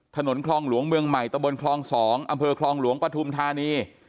ถนนคลองหลวงเมืองใหม่ตะบนคลอง๒อำเภอคลองหลวงปฐุมธานี